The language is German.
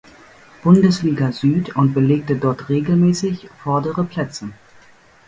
Bundesliga Süd und belegte dort regelmäßig vordere Plätze.